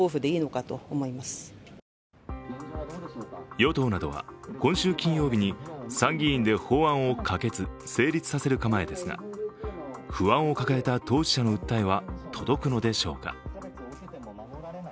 与党などは、今週金曜日に参議院で法案を可決・成立させる構えですが不安を抱えた当事者の訴えは届くのでしょうか。